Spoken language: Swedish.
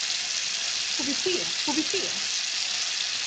Får vi se, får vi se?